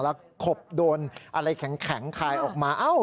แล้วขบโดนอะไรแข็งคายออกมา